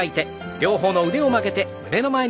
両方の腕を曲げて胸の前に。